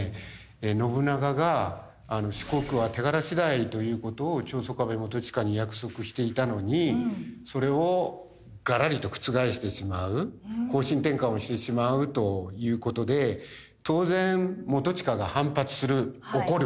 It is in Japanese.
信長が四国は手柄次第という事を長宗我部元親に約束していたのにそれをがらりと覆してしまう方針転換をしてしまうという事で当然元親が反発する怒る。